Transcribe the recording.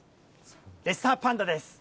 レッサーパンダです。